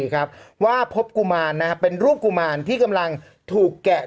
โอเคโอเคโอเคโอเคโอเคโอเค